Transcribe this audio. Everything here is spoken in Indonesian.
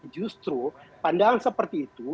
justru pandangan seperti itu